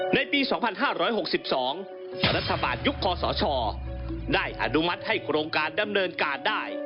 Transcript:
ในปี๒๕๖๒รัฐบาลยุคคอสชได้อนุมัติให้โครงการดำเนินการได้